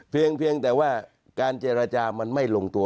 เพียงแต่ว่าการเจรจามันไม่ลงตัว